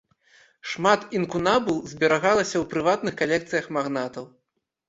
Шмат інкунабул зберагалася ў прыватных калекцыях магнатаў.